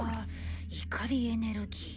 怒りエネルギー。